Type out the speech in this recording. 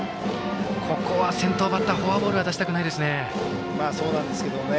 ここは先頭バッターフォアボールは出したくないですね。